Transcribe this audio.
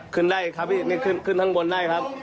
ขึ้นได้ครับพี่ขึ้นทางบนได้ครับ